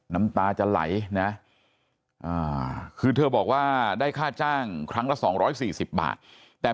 น้ำตาจะไหลนะคือเธอบอกว่าได้ค่าจ้างครั้งละ๒๔๐บาทแต่